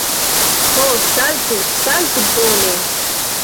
Ho, saltu! Saltu! Bone.